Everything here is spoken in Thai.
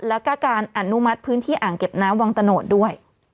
แล้วก็การอนุมัติพื้นที่อ่างเก็บน้ำวังตะโนดด้วย